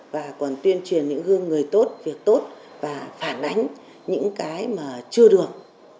và còn tuyên truyền những gương người tốt việc tốt và phản ánh những cái mà chưa được